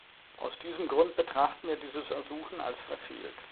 Aus diesem Grund betrachten wir dieses Ersuchen als verfehlt.